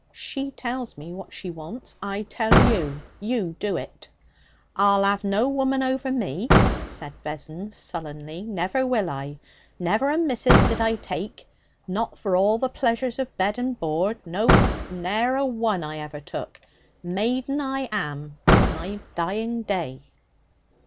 She tells me what she wants. I tell you. You do it.' 'I'll 'ave no woman over me!' said Vessons sullenly. 'Never will I! Never a missus did I take, not for all the pleasures of bed and board no, ne'er a one I ever took. Maiden I am to my dying day.'